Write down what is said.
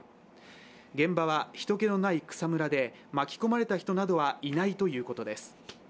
現場は人けのない草むらで、巻き込まれた人などはいないということです。